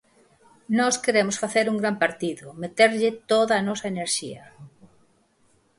Nós queremos facer un gran partido, meterlle toda a nosa enerxía.